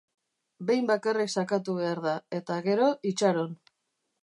Behin bakarrik sakatu behar da, eta gero itxaron.